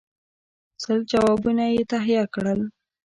سل جوابونه یې تهیه کړل.